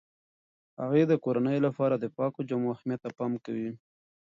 هغې د کورنۍ لپاره د پاکو جامو اهمیت ته پام کوي.